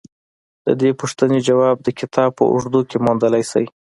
د دې پوښتنې ځواب د کتاب په اوږدو کې موندلای شئ